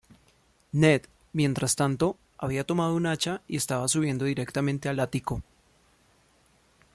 Ned, mientras tanto, había tomado un hacha y estaba subiendo directamente al ático.